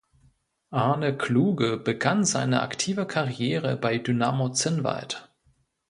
Arne Kluge begann seine aktive Karriere bei Dynamo Zinnwald.